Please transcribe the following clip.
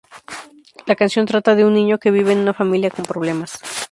La canción trata de un niño que vive en una familia con problemas.